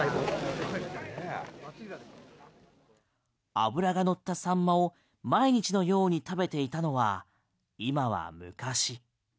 脂が乗ったサンマを毎日のように食べていたのは今は昔。